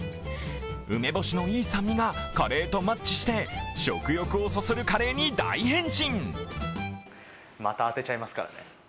梅干しのいい酸味がカレーとマッチして食欲をそそるカレーに大変身。